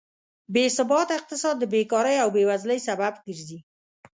بېثباته اقتصاد د بېکارۍ او بېوزلۍ سبب ګرځي.